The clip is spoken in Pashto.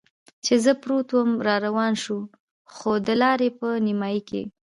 چې زه پروت ووم را روان شو، خو د لارې په نیمایي کې.